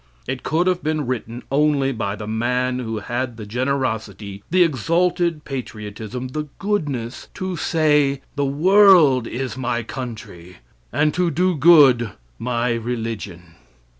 It could have been written only by the man who had the generosity, the exalted patriotism, the goodness to say: "The world is my country, and to do good my religion."